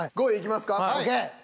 ５位いきますか？